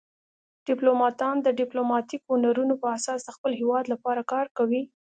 ډیپلوماتان د ډیپلوماتیکو هنرونو په اساس د خپل هیواد لپاره کار کوي